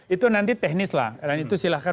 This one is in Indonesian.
itu nanti teknis lah dan itu silahkan